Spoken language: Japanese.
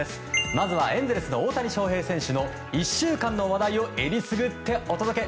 まずはエンゼルスの大谷翔平選手の１週間の話題をえりすぐってお届け。